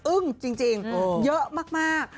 อึ้งจริงเยอะมาก